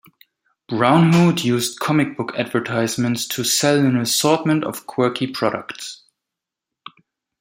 Braunhut used comic book advertisements to sell an assortment of quirky products.